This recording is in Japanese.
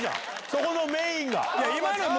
そこのメインが。